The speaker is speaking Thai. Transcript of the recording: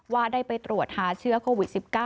ว่าได้ไปตรวจหาเชื้อโควิด๑๙